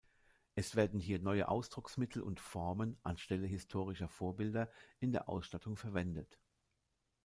Es werden hier neue Ausdrucksmittel und Formen, anstelle historischer Vorbilder, in der Ausstattung verwendet.